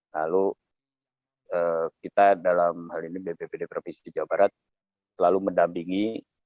lalu kita dalam hal ini bppd provinsi jawa barat selalu mendampingi